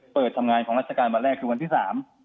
เปิดทำงานของราชการวันแรกคือวันที่๓